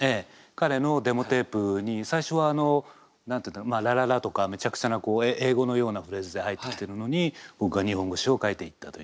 彼のデモテープに最初はあのラララとかめちゃくちゃな英語のようなフレーズで入ってきてるのに僕が日本語詞を書いていったという。